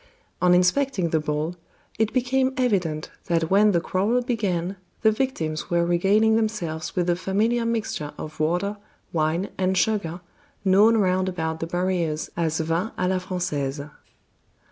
On inspecting the bowl, it became evident that when the quarrel began the victims were regaling themselves with the familiar mixture of water, wine, and sugar, known round about the barrieres as vin a la Frangaise.